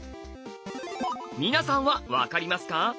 皆さんは分かりますか？